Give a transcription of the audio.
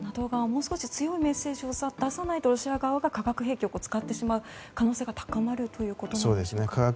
ＮＡＴＯ側がもう少し強いメッセージを出さないとロシア側が化学兵器を使ってしまう可能性が高まるということでしょうか。